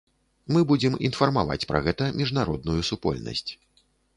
Мы будзем інфармаваць пра гэта міжнародную супольнасць.